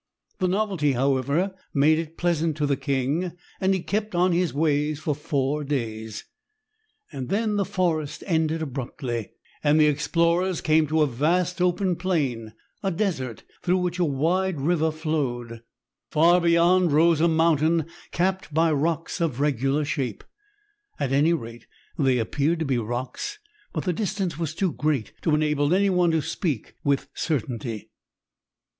The novelty, however, made it pleasant to the king, and he kept on his way for four days. Then the forest ended abruptly, and the explorers came to a vast open plain, a desert, through which a wide river flowed. Far beyond rose a mountain capped by rocks of regular shape. At any rate, they appeared to be rocks, but the distance was too great to enable anyone to speak with certainty.